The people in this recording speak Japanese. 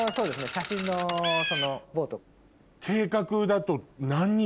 写真のボート。